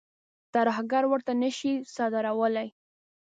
ترهګر ورته نه شي صادرولای.